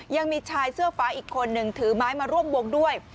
ยังมีชายเสื้อฟ้าอีกคนหนึ่งถือไม้มาร่วมวงด้วย